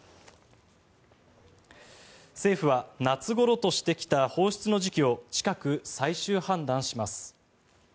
政府は夏ごろとしてきた放出の時期を近く、最終判断します。